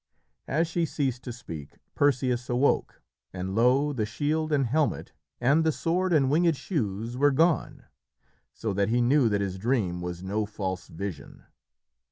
As she ceased to speak, Perseus awoke, and lo, the shield and helmet and the sword and winged shoes were gone, so that he knew that his dream was no false vision.